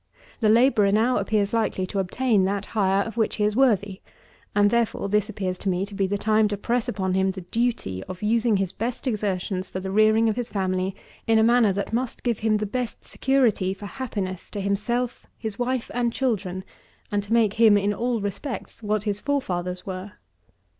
The labourer now appears likely to obtain that hire of which he is worthy; and, therefore, this appears to me to be the time to press upon him the duty of using his best exertions for the rearing of his family in a manner that must give him the best security for happiness to himself, his wife and children, and to make him, in all respects, what his forefathers were.